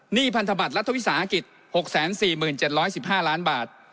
พันธบัตรรัฐวิสาหกิจ๖๔๗๑๕ล้านบาท